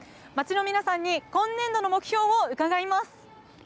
街の皆さんに今年度の目標を伺います。